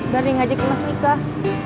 dari gak dikenal nikah